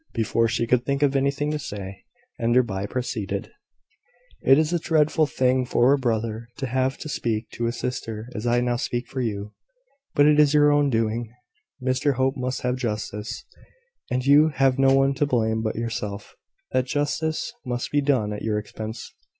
Before she could think of anything to say, Enderby proceeded: "It is a dreadful thing for a brother to have to speak to a sister as I now speak to you; but it is your own doing. Mr Hope must have justice, and you have no one to blame but yourself that justice must be done at your expense.